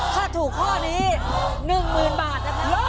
ถ้าถูกข้อนี้๑๐๐๐บาทนะครับ